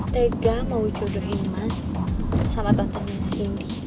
tega mau jodohin mas sama tante missing